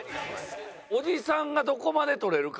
おじさんがどこまで取れるか？